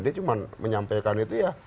dia cuma menyampaikan itu ya